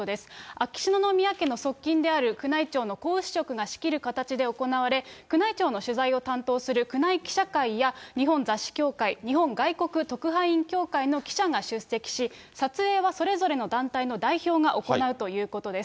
秋篠宮家の側近である宮内庁の皇嗣職が仕切る形で行われ、宮内庁の取材を担当する宮内記者会や、日本雑誌協会、日本外国特派員協会の記者が出席し、撮影はそれぞれの団体の代表が行うということです。